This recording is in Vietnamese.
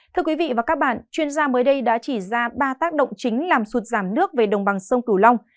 thưa quý vị và các bạn chuyên gia mới đây đã chỉ ra ba tác động chính làm sụt giảm nước về đồng bằng sông cửu long